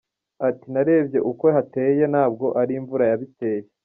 Ati” Narebye uko hateye ntabwo ari imvura yabiteye.